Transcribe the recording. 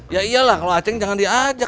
ya iyalah kalau acing jangan diajak